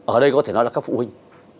ở đây có thể nói là các phụ huynh